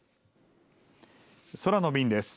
空の便です。